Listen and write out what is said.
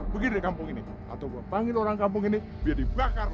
pergi dari kampung ini atau gue panggil orang kampung ini biar dibakar